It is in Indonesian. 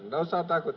tidak usah takut